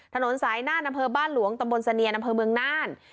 ถนนสายน่านอำเภอบ้านหลวงตำบลเสนียนอำเภอเมืองน่าน